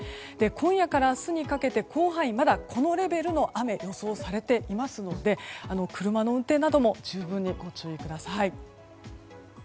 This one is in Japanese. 今夜から明日にかけて広範囲または高レベルの雨が予想されていますので車の運転なども十分にご注意ください。